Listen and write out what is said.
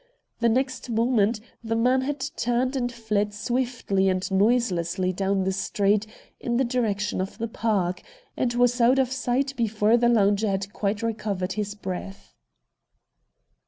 The next moment the man had turned and fled swiftly and noiselessly down the street in the direction of the Park, and was out of sight be fore the lounger had quite recovered his breath.